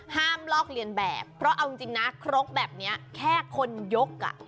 ลอกเลียนแบบเพราะเอาจริงนะครกแบบนี้แค่คนยกอ่ะ